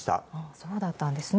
そうだったんですね。